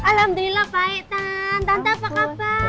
alhamdulillah baik tan tante apa kabar